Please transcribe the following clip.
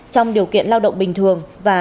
trong điều kiện lao động bình thường và